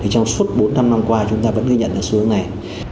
trong suốt bốn năm năm qua chúng ta vẫn ghi nhận được xu hướng này